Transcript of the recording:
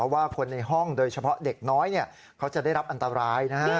ว่าคนในห้องโดยเฉพาะเด็กน้อยเขาจะได้รับอันตรายนะฮะ